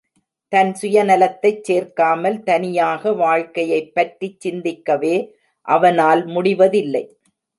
தன் சுயநலத்தைச் சேர்க்காமல் தனியாக வாழ்க்கையைப் பற்றிச் சிந்திக்கவே அவனால் முடிவதில்லை.